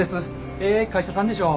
ええ会社さんでしょう。